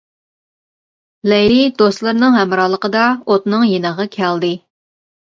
لەيلى دوستلىرىنىڭ ھەمراھلىقىدا ئوتنىڭ يېنىغا كەلدى.